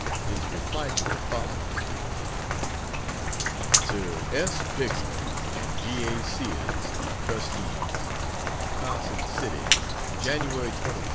His reply to it follows: To S. Pixley and G. A. Sears, Trustees: CARSON CITY, January 23, 1864.